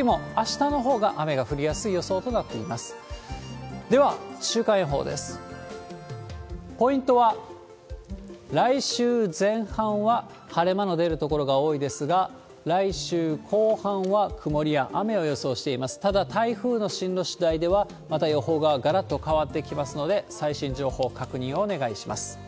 ただ、台風の進路しだいでは、また予報ががらっと変わってきますので、最新情報確認をお願いします。